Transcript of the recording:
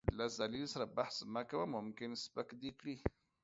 له ذليل سره بحث مه کوه ، ممکن سپک دې کړي .